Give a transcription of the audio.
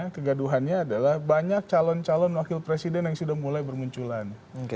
kegaduhannya adalah banyak calon calon wakil presiden yang sudah mulai bermunculan